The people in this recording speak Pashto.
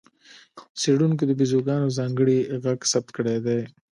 څېړونکو د بیزوګانو ځانګړی غږ ثبت کړی دی.